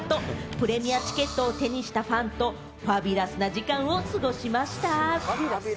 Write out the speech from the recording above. プレミアチケットを手にしたファンとファビュラスな時間を過ごしました。